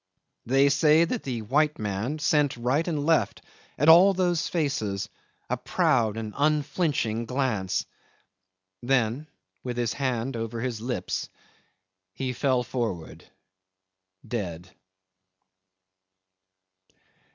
They say that the white man sent right and left at all those faces a proud and unflinching glance. Then with his hand over his lips he fell forward, dead.